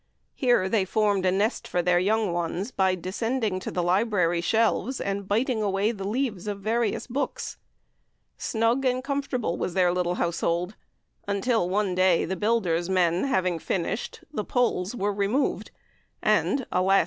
Here they formed a nest for their young ones by descending to the library shelves and biting away the leaves of various books. Snug and comfortable was the little household, until, one day, the builder's men having finished, the poles were removed, and alas!